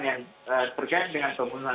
yang terkait dengan pembunuhan